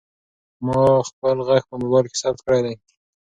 ما خپل غږ په موبایل کې ثبت کړی دی.